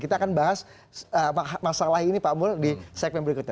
kita akan bahas masalah ini pak mul di segmen berikutnya